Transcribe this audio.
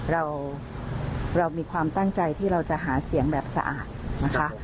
เรามีความตั้งใจที่เราจะหาเสียงแบบสะอาดนะคะ